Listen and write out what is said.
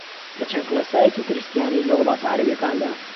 لە چەند کڵێسایەکی کریستیانی لە وڵاتە عەرەبییەکاندا